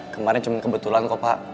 kemarin cuma kebetulan kok pak